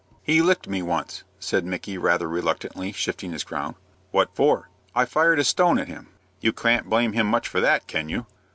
"He licked me once," said Micky, rather reluctantly, shifting his ground. "What for?" "I fired a stone at him." "You can't blame him much for that, can you?"